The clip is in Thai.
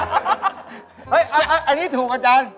อันนี้ถูกอาจารย์